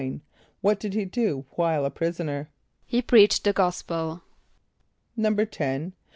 = What did he do while a prisoner? =He preached the gospel.= =10.